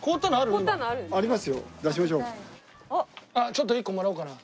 ちょっと１個もらおうかな。